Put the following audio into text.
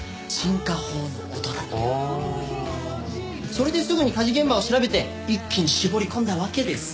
それですぐに火事現場を調べて一気に絞り込んだわけです。